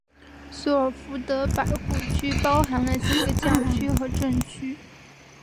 索尔福德百户区包含了几个教区和镇区。